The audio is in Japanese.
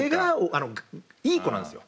あのいい子なんですよ。